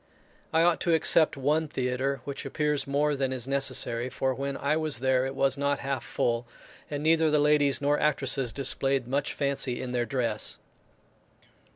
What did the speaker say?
I ought to except one theatre, which appears more than is necessary; for when I was there it was not half full, and neither the ladies nor actresses displayed much fancy in their dress.